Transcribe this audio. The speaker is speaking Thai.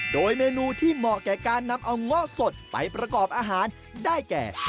โดยเมนูที่เหมาะแก่การนำเอาเงาะสดไปประกอบอาหารได้แก่